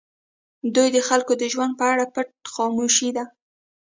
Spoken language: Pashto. دوی د خلکو د ژوند په اړه پټ خاموش دي.